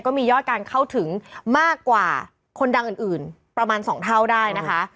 มียอดการเข้าถึงมากกว่าคนดังอื่นประมาณ๒เท่าได้นะคะ